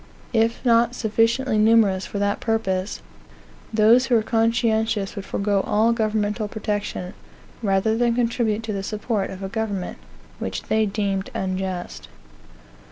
If not sufficiently numerous for that purpose, those who were conscientious would forego all governmental protection, rather than contribute to the support of a government which they deemed unjust.